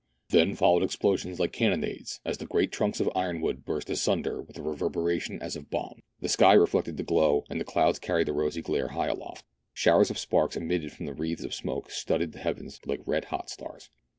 Then followed explosions like cannonades, as the great trunks of ironwood burst asunder with a reverberation as of bombs. The sky reflected the glow, and the clouds carried the rosy glare high aloft. Showers of sparks emitted from the wreaths of smoke studded the heavens like red hot stars.